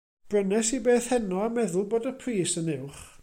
Brynes i beth heno a meddwl bod y pris yn uwch.